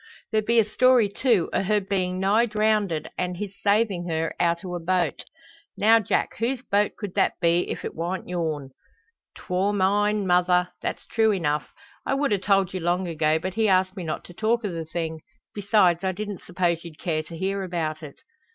"There be a story, too, o' her bein' nigh drownded an' his saving her out o' a boat. Now, Jack, whose boat could that be if it wa'nt your'n?" "'Twor mine, mother; that's true enough. I would a told you long ago, but he asked me not to talk o' the thing. Besides, I didn't suppose you'd care to hear about it."